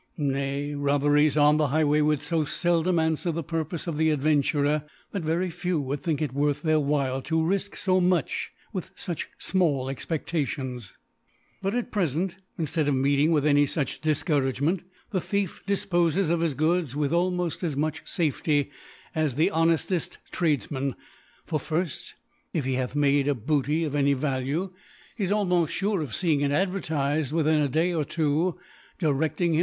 Nay Robberies on the Highway would (b feldom anfwer the Purpofe of the Adven turer, that very few would think it worth their while to rifque fo mtch with fuch fmalt Expectations. But at prefent, inflead of meeting with ally fuch D i (courage me nr, the Thief difpofts of his Goods with almoft as much Safety as the honerteft Tradefinan : For firft, if he hath made a Booty of any Value, he is al moft fure of feeing it ad^ertifed within a Day or twpy direfting him /c?